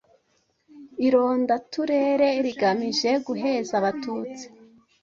Ironda turere rigamije guheza Abatutsi